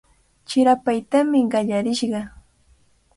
Chirapaytami qallarishqa.